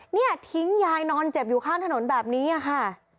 เนี่ยทิ้งยายนอนเจ็บอยู่ข้างถนนแบบนี้ค่ะ